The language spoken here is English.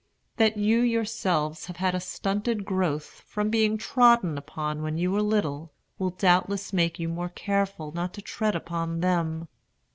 That you yourselves have had a stunted growth, from being trodden upon when you were little, will doubtless make you more careful not to tread upon them.